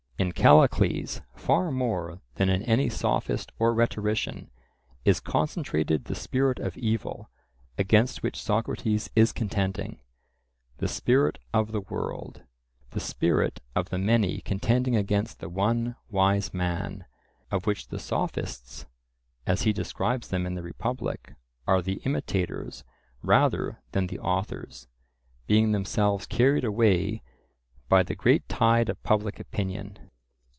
In Callicles, far more than in any sophist or rhetorician, is concentrated the spirit of evil against which Socrates is contending, the spirit of the world, the spirit of the many contending against the one wise man, of which the Sophists, as he describes them in the Republic, are the imitators rather than the authors, being themselves carried away by the great tide of public opinion.